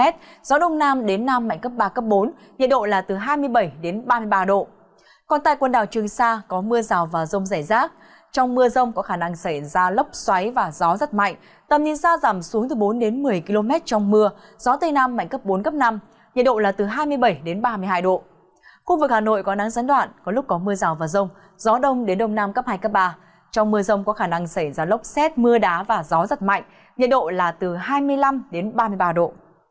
trong mưa rông có khả năng xảy ra lốc xét mưa đá và gió rất mạnh nhiệt độ là từ hai mươi năm đến ba mươi ba độ